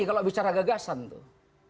kalau bicara gagasan tuh